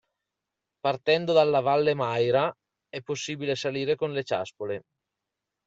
Partendo dalla valle Maira, è possibile salire con le ciaspole.